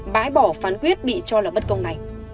bãi bỏ phán quyết bị cho là bất công này